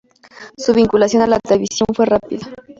Su vinculación a la televisión fue rápida.